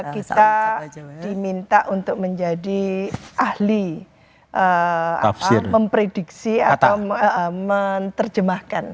kita diminta untuk menjadi ahli memprediksi atau menerjemahkan